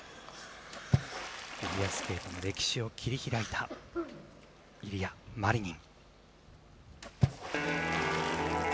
フィギュアスケートの歴史を切り開いたイリア・マリニン。